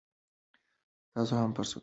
تاسو هم فرصتونه لټوئ.